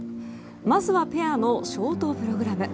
まずはペアのショートプログラム。